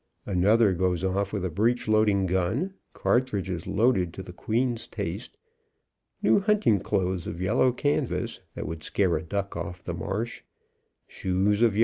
Another goes off with a breech loading gun, cartridges loaded to the queen's taste, and new hunting clothes of yellow canvas, that would scare a duck off the marsh, shoes of yel With a smile and a bamboo rod.